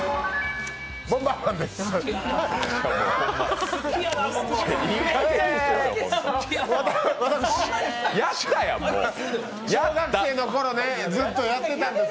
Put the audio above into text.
「ボンバーマン」です。